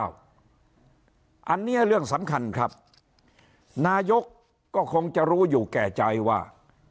อันนี้เรื่องสำคัญครับนายกก็คงจะรู้อยู่แก่ใจว่า